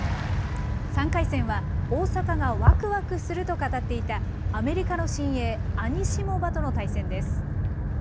３回戦は大坂がわくわくすると語っていたアメリカの新鋭、アニシモバとの対戦です。